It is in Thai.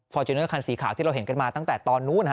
จูเนอร์คันสีขาวที่เราเห็นกันมาตั้งแต่ตอนนู้น